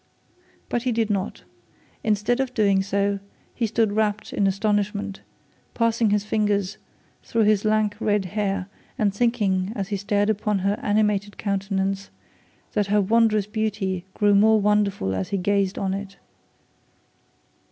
But he did not. Instead of doing so, he stood wrapt in astonishment, passing his fingers through his lank red hair, and thinking as he stared upon her animated countenance that her wondrous beauty grew more and more wonderful as he gazed on it.